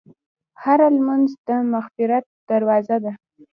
هره لمونځ د مغفرت دروازه ده.